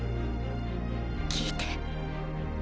聞いて。